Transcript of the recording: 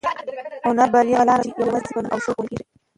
هنر د بریا هغه لاره ده چې یوازې په مینه او شوق وهل کېږي.